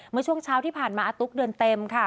เมื่อช่วงเช้าที่ผ่านมาอาตุ๊กเดือนเต็มค่ะ